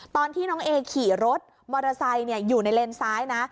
ตอนที่น้องเอขี่รถมอเตอร์ไซค์อยู่ในเลนซ้ายนะ